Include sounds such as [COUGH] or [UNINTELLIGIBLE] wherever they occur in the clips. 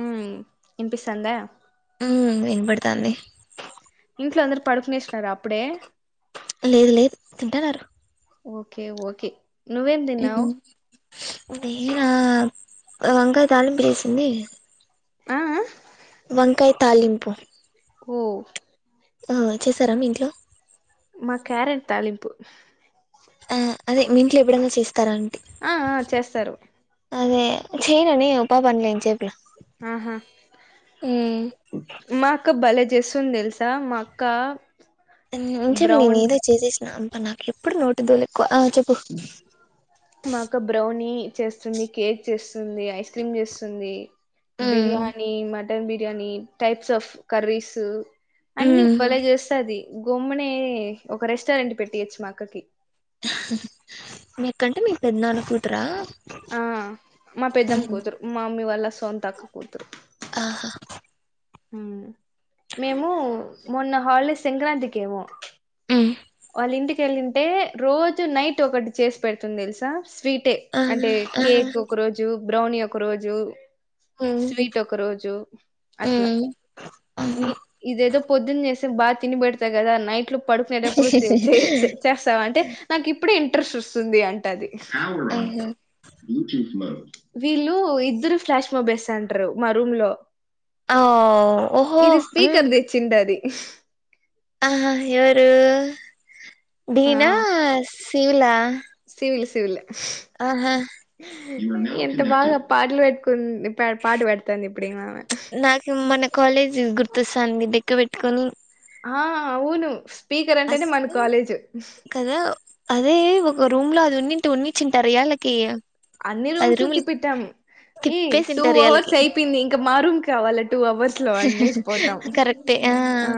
ఉమ్ వినిపిస్తాంద ఉ వినపడతాంది. ఇంట్లో అందరు పడుకునేసినార అప్పుడే లేదు లేదు తింటన్నారు. ఓకే ఓకే నువ్వేం తిన్ తిన్నావు నేనా ఆ వంకాయ తాలింపు చేసింది. ఆ ఆ వంకాయ్ తాలింపు ఓ అ చేసారామ్మ ఇంట్లో మా క్యారెట్ తాలింపు ఆ అదే మీ ఇంట్లో ఎప్పుడైనా చేస్తారాం ఆ అ చేస్తారు. అదే చేయనానే ఉప్పా పన్లేం చెేప్పిన ఆహా మాకు భలే జెస్సుంది తెలుసా మా అక్క ఊ చెప్ నేను బ్రౌన్ ఏదో చేసేసిన నాకు ఎప్పుడు నోటు దూల ఎక్కువ ఆ చెప్పు మాకు బ్రౌని చేస్తుంది కేక్ చేస్తుంది, ఐస్ క్రీమ్ చేస్తుంది. ఉమ్ బిర్యాని మట్ mutton biryani, types of curries, అన్ని ఉమ్ బలే చేస్తాది గొమ్మునే ఒక రెస్టారెంట్ పెట్టియొచ్చు మా అక్కకి. ఆహా మీక్కంటే మీ పెద్ద అనుకుంటరా. ఆ మా పెద్దమ్మ కూతురు మమ్మీ వాళ్ళ సొంత అక్క కూతురు. ఆహా ఉ మేము మొన్న హాలిడే సంక్రాంతికి ఏమో ఉ లింటికెళ్లింటే రోజు నైట్ ఒకటి చేసి పెడుతుంది తెలుసా. స్వీట్ ఏ ఆ అంటే ఆహా కేక్ ఒక రోజు బ్రౌనీ ఒక రోజు ఉమ్ స్వీట్ ఒక రోజు అట్లా ఉమ్ నీ ఆహా ఇదేదో పొద్దున్న చేసే బా తిని పెడతా కదా నైట్లు పడుకునేటప్పుడు చేయ్ చేస్తావా అంటే నాకు ఇప్పుడే ఇంట్రెస్ట్ వస్తుంది అంటాది హవ ఆహా బ్యూూస్ మ వీళ్ళు ఇద్దరు ఫ్లాష్ మాబ్ వేస్తంటారు మా రూమ్ లో ఓ ఓహో ఇది ఉమ్ స్పీకర్ది ఇచ్చిండాది ఇ ఆహా ఎవరు డీనా సివిలా సివల్ సివిలే ఆహా ఎంత బాగా పాటలు పెట్కుంది ఇప్ప పాటు పెడుతాంది ఇప్పుడిను కాలేజీ గుర్తొస్తాంది డెక్క పెట్టుకొని ఆ అవును స్పీకర్ అంటేనే మన అసలు కాలేజ్ కదా అదే ఒక రూమ్ లో అది ఉన్ని ఉన్నిచ్చింటారా ఇయ్యాలకి అన్ని రూమ్స్లు తిప్పిట్టాం ఏ టూ తిప్పేసింటారు ఇయాళ్ళకి అవర్స్ అయిపోయింది ఇంకా మా రూమ్ కావాలనే టూ అవర్స్ లో అన్నేసి పోతాం ఆ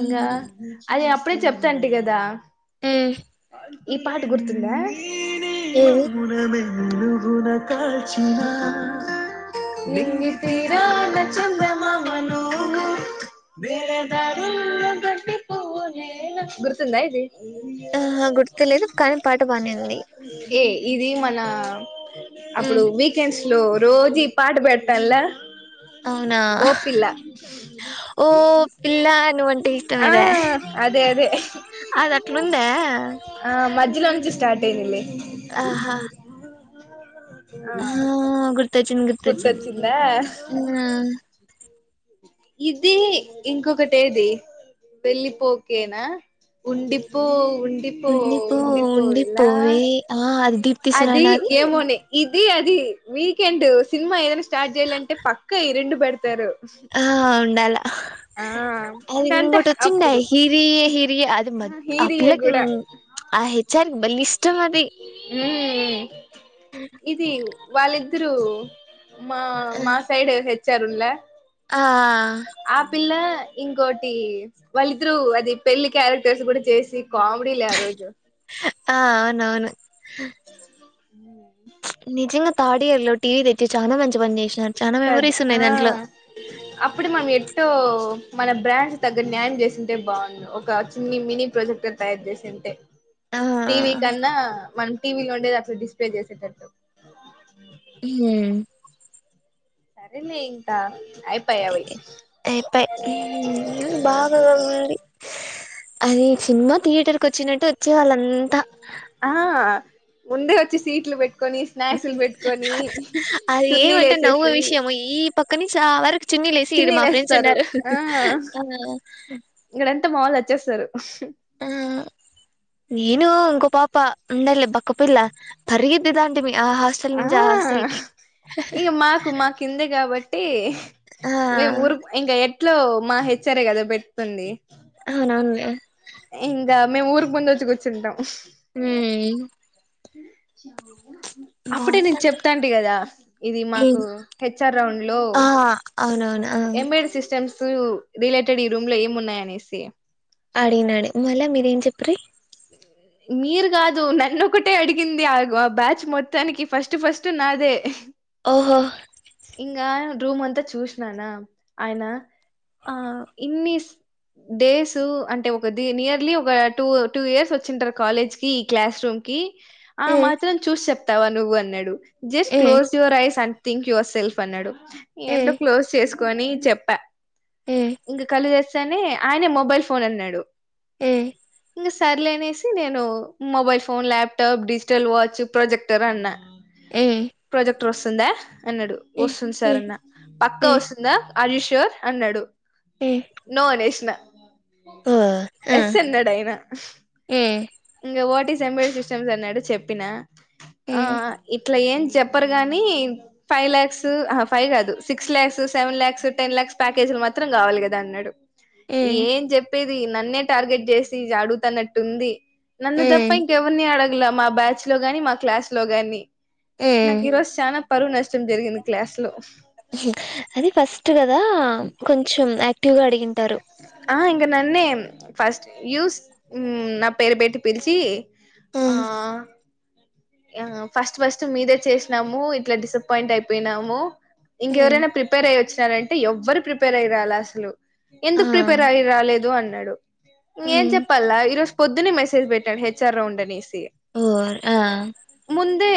ఉమ్ అదే అప్పుడే చెప్తాంటి కదా ఉమ్, కా ఈ పాట గుర్తుందా ఇనే ఏది మౌనమే నింగితీరాన చందమామ నువ్వు వేరే దారుల్లో గడ్డి పువ్వు నేను గురుతుందా ఇది ఆ గుర్తులేదు కానీ పాట పా ఏ ఇది మన అప్పుడు ఉమ్ వీకెండ్స్ హలో రోజీ పాట పెట్టంల అవునా ఓ పిల్ల ఓ పిల్ల నువ్వంటే ఆ ఇష్టమేదా అదే అదే అది అట్లుందా ఆ మజ్జలో అించ స్టార్ట్ అయ్యిందిమ్మీ ఆహా ఆ ఆ గుర్తొచ్చింది గుర్తొచ్చింది గుర్తొచ్చిందా ఆ ఇది ఇంకొకటేది వెళ్లిపోకేనా ఉండిపో ఉండిపో ఉండిపోయే ఆ అది అది సురేనాది ఏమోని ఇది ది అది వీకెండ్ సినిమా ఏదైనా స్టార్ట్ చేయాలంటే పక్కా ఈ రెండూ పెడతారు హా ఉండాల ఆ అది ఇంకంతే ఇంగోటొచ్చిండే అప్పుడు హిరియే హిరియే అది మద్ అ హీరియే పిల్లకి కూడా [UNINTELLIGIBLE] బల్ ఇష్టం అది ఊ ఊ ఇది వాళ్ళిద్దురూ మా మా సైడే హె చారుండ్లా ఆ ఆ పిల్ల ఇంకోటి వాళ్ళిద్దరూ అది పెళ్లి క్యారెక్టర్స్ కూడా చేసి కామెడీ లే ఆ రోజు ఆ అవును అవును ఊ థార్డ్ ఇయర్ లో టీవీ తెచ్చి చాలా మంచి పని చేసినారు చాలా కాదు మెమరీస్ ఆ ఉన్నాయి దాంట్లో అప్పుడు మమ్ ఎ మన బ్రాండ్స్ తగ్గ న్యాయం చేసింటే బాగుంది ఒక చిన్ని మినీ ప్రాజెక్ట్ తయారు చేసింటే ఆ టీవ కన్నా మ టీవీలో ఉండేది అట్లు డిస్ప్లే చేసేటట్టు హ సరే న ఇంకా అయిపాయ్ అవి అప్ప బాగాగా మడి అది సినిమా థియేటర్కి వచ్చినట్టు వచ్చే వాళ్ళ అంతా ఆ ముందే వచ్చి సీట్లు పెట్టి అది చున్నీలు ఏమంటే నవ్వు వేసేసి విషయము ఈ పక్క నుంచి ఆ వరకు చూన్నీళ్ళు లేసి మా చున్నీలు ఫ్రెండ్స్ వేస్తారు ఉండారు ఆ ఆ చ్చేస్తారు ఆ నేను గొప్ పాప ఉండాల బక్కపిల్ల పెరుగుతంటిమీ ఆ హాస్టల్ నుంచి ఆ హాస్టల్ కి టి ఆ మేము ఓ ఇంకా ఎ ఎట్లో మా హెచ్చారే కదా పేట్కుంది అవును అవునులే ఆ మేము ఊరికు ముందు వచ్చి కూచ్చుంటాం హ్మ్మ్ అప్పుడే నేను బాగుంటది చెప్తాంటి కదా ఇది మాకు ఉమ్, హెచ్ఆర్ రౌండ్ లో ఆ అవునవును ఆ ఎంబెడెడ్ సిస్టమ్స్ సు రిలేటెడ్ ఈ రూమ్ లో ఏమి ఉన్నాయ అనేసి అడినాడి మళ్ళా మీరేం చెప్ప్ర మీరు కాదు నన్నొ ఒకటే అడిగింది ఆగ ఆ బ్యాచ్ మొత్తానికి ఫస్ట్ ఫస్ట్ నాదే ఓహో ఇంగా రూమ్ అంతా చూసిననా ఆయన ఆ ఇన్ని డేస్ అంటే ఒక నియర్లీ ఒక టూ టూ ఇయర్స్ వచ్చింటారు కాలేజ్ కి ఈ క్లాస్ రూమ్ కి ఆ ఉమ్ మాత్రం చూసి చెప్ తవా నువ్వు అన్నాడు just um closes your eyes um think your self అన్నాడు ఏంటో ఉమ్ క్లోజ్ చేసు కోని చెప్పా ఉమ్ ఇంగ కలు దసి నే ఆయనే మొబైల్ ఫోన్ అన్నాడు ఉమ్ ఇంకా సర్లేనేసి నేను mobile phone laptop digital watch projector అన్నా ఉమ్ ప్రజెక్ ర్ వస్తుంద అన్నాడు ఉమ్ వస్తుంది సార్ ఉమ్ అన్నా పక్కా ఉమ్ వస్తుందా అరె యూ ష్యూర్ అన్నాడు ఉమ్ నో అనేషినా ఓ ఆ ఎస్ అన్నడ అయినా ఉమ్ ఇం ఓటి సెంబల్ సిస్టమ్స్ అన్నాడు చెప్పిన ఆ ఉమ్ ఇట్లా ఏం చెప్పరు గాని ఫైవ్ లాక్స్ ఫైవ్ కాదు six lakhs seven lakhs ten lakhs ప్యాకేజ్లు మాత్రం కావాలి కదా అన్నాడు ఉమ్ ఏం చెప్పేది నన్నే టార్గెట్ చేసి అడుగుతానట్టు ఉంది నన్న దప్ప ఉమ్ ఇంక ఎవర్ని ఆడ మా బ్యాచ్ లో గాని మా క్లాస్ లో గాని నాక్ ఇరోజ చానా పరువు నష్టం జరిగింది క్లాస్లో అది ఫస్ట్ కదా కొంచెం తగాడి ఇంటారు ఇక నన్నే ఫస్ట్ యూస్ నా పేరు పెట్టి పిలిచి ఆ ఉమ్ ఆ ఫస్ట్ ఫస్ట్ మీదే చేసినాము ఇట్లా డిసప్పయింట్ అయిపోయినాము ఇం ఎవరైనా ప్రిపేర్ అయ్యచ్చు ంటే ఎవ్వరు ప్రిపేర్ అయిరాలా అసలు ఆ ఎందుకు ప్రిపేర్ అయ్యి రా లేదు అంత డు ఇ ఏం ఉమ్ చెప్పల్ ఇరోజు పొద్న్న మెసజ పెట్టం హెచ్ఆర్ రౌండ్ అనేసి ఓ ముందే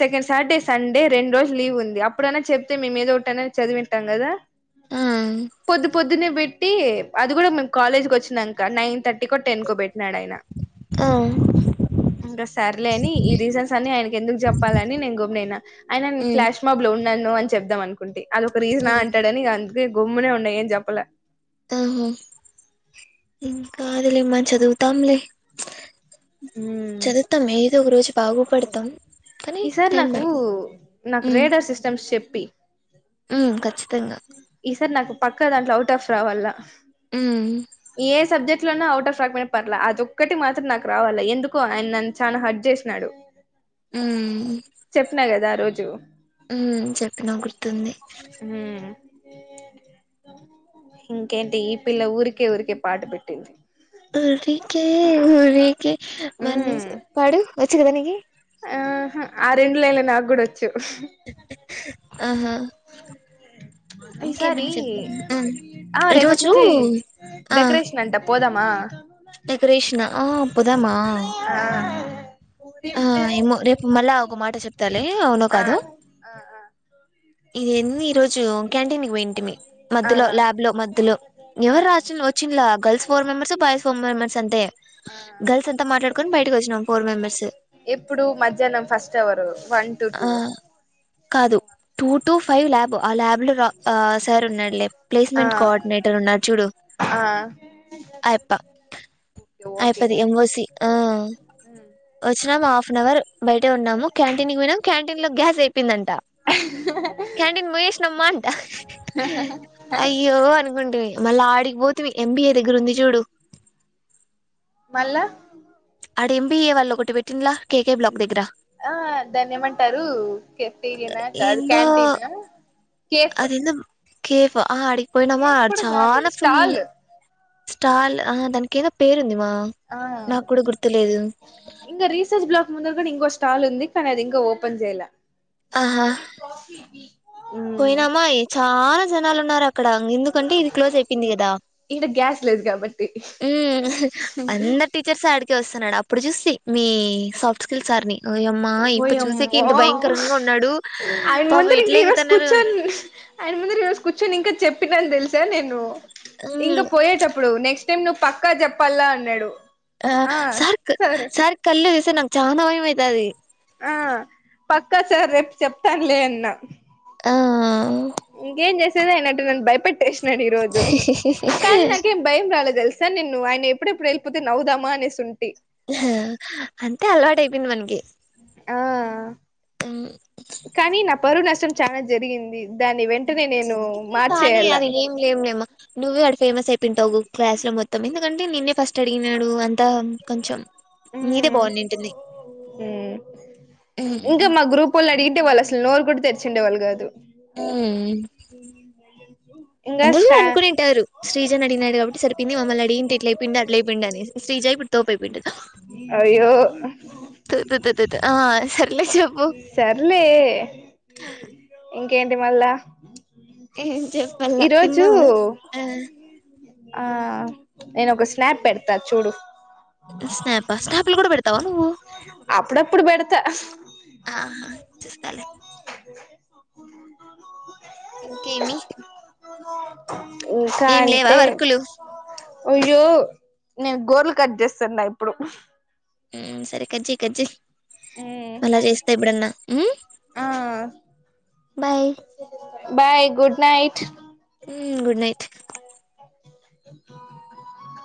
సెకండ్ సాటర్డే సండే రెండు రోజులు లీవ్ ఉంది అప్పుడైనా చెప్తే మేము ఏదో ఒకటి చదివింటాం కదా ఆ పొద్దు పొద్దునే వే పెట్టి అది కూడా మేము కాలేజ్ కు వచ్చినాంక నైన్ థర్టీ కు టెన్ కు పెట్టి న్నాడయిన ఆ ఉమ్ ఇంకా సర్లేని ఈ రీజన్స్ అన్ని ఆయన ఎందుకు చెప్పాలని నేను గమ్మున ఆయన ఉమ్ ఫ్లాష్ మా బ లో నన్ను అని చెప్పుదాం అను అది ఒక రీజన్ అంటాడని అ గమ్మునే ఉన్న ఏం జప్పలే ఆహో ఇంకా అదిలి మంచి చదువుతాంలే ఉమ్ చదువుతాం ఏదో ఒక రోజు బాగుపడతాం కానీ ఈ సార్ టైం నాకు పడుతది నాకు రేడో సిస్టమ్స్ చెప్ ప్పి హ్మ్మ్ కచ్చి ఈసర్ నాకు పక్క దాంట్లో అవుట్ ఆఫ్ రావాలా ఉమ్ ఏ సబ్జెక్ట్ అన్నిట్లోన అవుట్ ఆఫ్ రాకన్నా పర్వళ అది ఒక్కటి మాత్రం నాకు రావాలి ఎందుకో ఆయన నన్ను చాలా హట్ చేసినాడు. ఉమ్ చెప్నగదా రోజు హ్మ్మ్ చెప్పిన గుర్ తుంది ఉమ్ ఇంకేంటి ఈ పిల్ల ఊరికే ఊరికే పాట పెట్టింది ఉఊరిీకే ఉఊరీకే మరి ఉమ్ నుంచి పాడు వచ్చు కదా నీకి ఆహా ఆ రెండు లైన్లే నాకు కూడా వచ్చు ఆహా ఇంకా ఏమన ఈసారి చెప్పు హమ్ ఆ రేపటి ఈరోజు నుంచి ఆ డెకరేషన్ అంట [UNINTELLIGIBLE] డెకరేషన్ ఆ పోదమా ఆ ఆ ఏమో రేపు మల్ల ఒక మాట చెప్తాలే ఆ ఆ ఆ ఇదెంది ఈ రోజు క్యాంటీన్ పోయింటిమి ఆ మధ్యలో ల్యాబ్ లో మధ్యలో ఆ ఎవరు రా వచ్చిలా girls four members boys four members అంటే ఆ గర్ల్స్ అంతా మాట్లాడుకొని బయటకి వచ్చినాం ఫోర్ మెంబర్స్ ఎప్పుడు మధ్యాహ్నం ఫస్ట్ అవర్ వన్ టు ఆ టూ కాదు టూ టు ఫైవ్ ల్యాబ్ ఆ ల్యాబ్ లో రా ఆ సార్ ఉన్నాడులే ఆ ప్లేస్మెంట్ కోఆర్డినేటర్ ఉన్నారు చూడు ఆ అయప్ప ఓకే ఓకే అయిపోది ఎంఓసి ఆ వచ్చినాము హాఫ్ అన్ అవర్ బయటే ఉన్నాము క్యాంటీన్ కి పోయినం క్యాంటీన్లో గ్యాస్ ఆ అపోయిందంట క్యాంటీన్ పోయసినమా అంట అయ్యో అనుకుంటిమి మళ్ళీ ఆడి పొతిమి ఎంబిఏ దగ్గర ఉంది చూడు లా ఆడ ఎంబీఏ వాళ్ళు ఒకటి పెట్టిండ్ల కేకే బ్లాక్ దగ్గర ఆ దాన్నేమంటారు కెప్్టేరియనా కాదు ఏందో క్యాంటీనా కేఫ్ అదేందో కేఫ్ ఆహ అడ్ పోయినామా కేఫ్ కూడా కాదు చాలా ఫుల్ స్టాల్ స్టాల్ ఆహ దానికి ఏదో పేరు ఉంది మా ఆ నాకు కూడా గుర్తులేదు దట ఇంకో స్టల్ ఉంది కానీ అది ఇంకా ఓపన్ చేయలే ఆహా పోయినామా చాన జనాలు ఉన్నారు అక్కడ ఎందుకంటే ఇది క్లోజ్ అయిపోయింది కదా ఈడ గ్యాస్ లేదు కాబట్టి హు అందరు టీచర్స్ అడ్ కే వస్తున్నాడు అప్పుడు చూసి మీ సాఫ్ట్ స్కిల్ సార్ ని ఓయమ్మా ఇప్ప చూసేకి ఓయమ్మో ఇంత భయంకరంగా ఉన్నాడు పాపం ఎట్లేగ్ కుర్చొని అయన ముందర ఈ రోజు కూర్చొని ఇంకా చెప్పినాన్ తెలుసా నేను ఇంక ఉమ్ పోయేటప్పుడు నెక్స్ట్ టైమ్ నువ్వు పక్కా చెప్పాల్ల అన్నాడు ఆ సార్క్ సరే సార్ కళ్ళు స్తే నాకు చాన భయమైతది ఆ పక్కా సార్ రేపు చెప్తాను లే అన్న ఆ ఇంకేం చేస్ నే అయినట్టు నన్ను భయపెట్టేస్ న్నాడు ఈ రోజు కానీ నాకేం భయం రాలె తెల్ సార్ నిన్ను ఆయన ఎప్పుడెప్పుడు వెళ్ళిపోతే నవ్వుదామా అనేసి ఉంటి అంతే అలవాటైపోయింది మనకి ఆ హు కానీ నా పరువు నష్టం చాన జరిగింది దాన్ని వెంటనే నేను కానీ మార్చేయాల అది ఏం లేంలే మ నువ్వు ఆడ ఫేమస్ అపోయింటావ్ గు క్లాస్ లో మొత్తం ఎందుకంటే నిన్నే ఫస్ట్ అడిగినాడు అంతా కొంచెం మీదే మ్మ్ బాగుంటుంది హు సలు నోరు కూడా తెరిచుండే వాళ్ళు కాదు హుమ్ ఇంకా అందరూ స్టా అనుకునింటారు శ్రీజని అడిగినాడు కాబట్టి సరిపోంది. మమ్మల్ని అడిగింటి ఇట్లా అయిపోయిండు, అట్లయిపోండు అని శ్రీజ ఇప్పుడు తోపేపింటాది అయ్యో తు తు తు తు తు. ఆ సర్లే చెప్పు సర్లే ఇంక్ కేంటి మళ్ళ ఏం చెప్పాల తిన్నావా ఆహ్ ఆ నేను ఒక స్నాప్ పెడతా చూడు స్నాప స్నాప్లు కూడా బెడతావా నువ్వు అప్పుడప్పుడు బెడత ఆహా చూస్తాలే ఇంకేమీ ఇంకా ఏం లేవా అంటే వర్కులు అయ్యో నేన్ గోర్లు కట్ చేస్తాన్న ఇప్పుడు మ్మ్ సరే కట్చెయ్ కట్చెయ్ మ్మ్ అలా చేస్తా ఏప్పుడన్నా హ్మ్ ఆ బాయ్ బాయ్ గుడ్ నైట్ మ్మ్ గుడ్ నైట్ ఓ